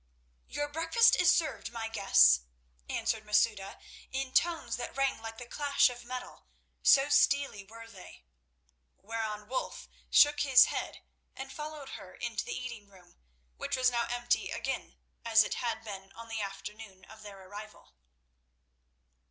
"Your breakfast is served, my guests," answered Masouda in tones that rang like the clash of metal, so steely were they. Whereon Wulf shook his head and followed her into the eating room, which was now empty again as it had been on the afternoon of their arrival.